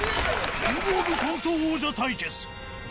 キングオブコント王者対決。